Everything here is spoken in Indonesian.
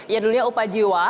yang dulunya upajiwa